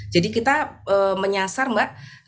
jadi kita menyasar mbak